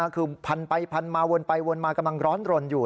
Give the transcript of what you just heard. คือพันไปพันมาวนไปวนมากำลังร้อนรนอยู่